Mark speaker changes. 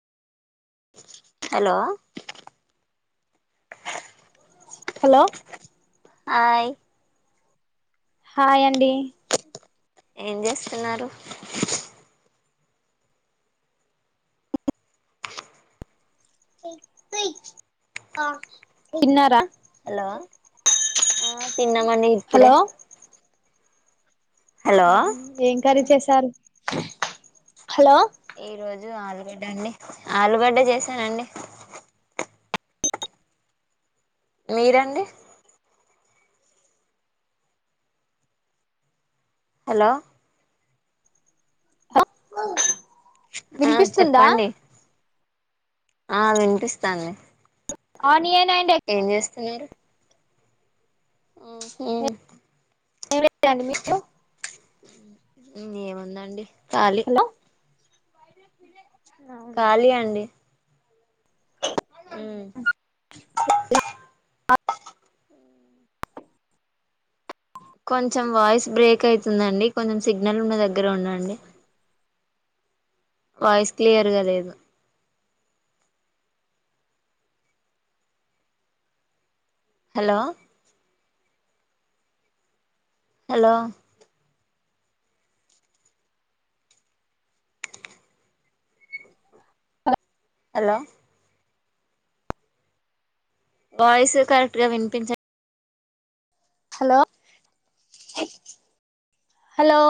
Speaker 1: hello
Speaker 2: hello
Speaker 1: hi
Speaker 2: hi అండి
Speaker 1: ఏం చేస్తున్నారు
Speaker 2: తిన్నారా
Speaker 1: హలో ఆ తిన్నామండి ఇప్పుడే హలో
Speaker 2: ఉ హు ఏం కర్రీ చేస్ తరు హలో
Speaker 1: ఈ రోజు ఆలుగడ్డ అండి ఆలుగడ్డ చేసానండి మీరండి హలో
Speaker 2: ఉంకుల్
Speaker 1: ఆ
Speaker 2: వినిపిస్తుందా
Speaker 1: చెప్పండి ఆ వినిపిస్తాంది
Speaker 2: ఆనియన్ అండ్ ఎగ్
Speaker 1: ఏం చేస్ తున్నారు ఉ హు
Speaker 2: ఏం లేదండి మీరు
Speaker 1: ఏముందండి కాలి
Speaker 2: హలో
Speaker 1: కాళీ అండి ఉమ్ కొంచెం వాయిస్ బ్రేక్ అయితుందండి కొంచెం సిగ్నల్ ఉన్న దగ్గర ఉండండి వాయిస్ క్లియర్గా లేదు hello hello hello voice correct గా వినిపించ
Speaker 2: హలో హలో